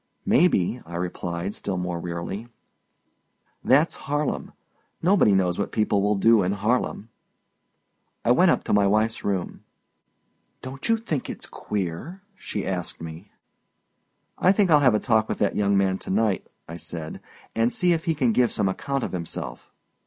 "May be," I replied, still more wearily. "That's Harlem. Nobody knows what people will do in Harlem." I went up to my wife's room. "Don't you think it's queer?" she asked me. "I think I'll have a talk with that young man to night," I said, "and see if he can give some account of himself."